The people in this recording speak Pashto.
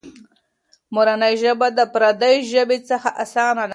مورنۍ ژبه د پردۍ ژبې څخه اسانه ده.